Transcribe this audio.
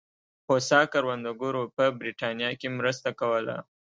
هوسا کروندګرو په برېټانیا کې مرسته کوله.